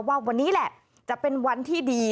ว่าวันนี้แหละจะเป็นวันที่ดี